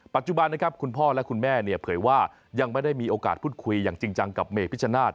ปัจจุบันนะครับคุณพ่อและคุณแม่เนี่ยเผยว่ายังไม่ได้มีโอกาสพูดคุยอย่างจริงจังกับเมพิชนาธิ